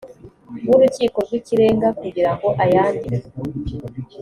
w urukiko rw ikirenga kugira ngo ayandike